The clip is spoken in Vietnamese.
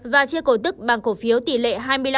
và chia cổ tức bằng cổ phiếu tỷ lệ hai mươi năm bảy mươi bảy